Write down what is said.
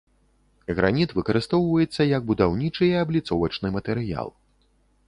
Граніт выкарыстоўваецца як будаўнічы і абліцовачны матэрыял.